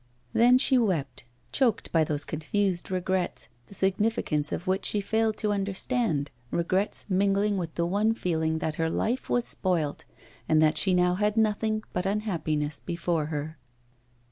Then she wept, choked by those confused regrets, the significance of which she failed to understand, regrets mingling with the one feeling that her life was spoilt, and that she now had nothing but unhappiness before her.